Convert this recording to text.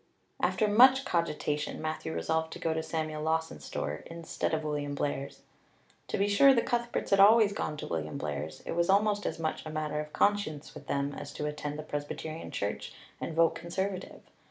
After much cogitation Matthew resolved to go to Samuel Lawson's store instead of William Blair's. To be sure, the Cuthberts always had gone to William Blair's; it was almost as much a matter of conscience with them as to attend the Presbyterian church and vote Conservative.